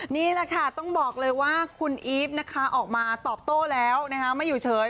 นี่แหละค่ะต้องบอกเลยว่าคุณอีฟนะคะออกมาตอบโต้แล้วนะคะไม่อยู่เฉย